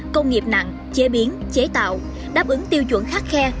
công nghiệp nặng chế biến chế tạo đáp ứng tiêu chuẩn khắc khe